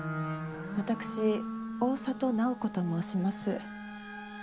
私大郷楠宝子と申します。